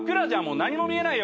何も見えないよ